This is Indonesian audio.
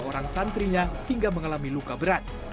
dua orang santrinya hingga mengalami luka berat